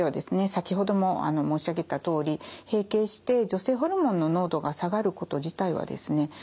先ほども申し上げたとおり閉経して女性ホルモンの濃度が下がること自体はですね